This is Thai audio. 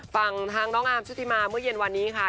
ฝั่งทางน้องอาร์มชุติมาเมื่อเย็นวันนี้ค่ะ